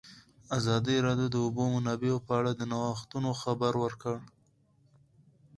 ازادي راډیو د د اوبو منابع په اړه د نوښتونو خبر ورکړی.